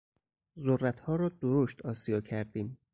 ذرتها را درشت آسیا کردیم.